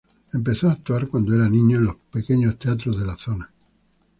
Empezó a actuar cuando era niño en los pequeños teatros en la zona.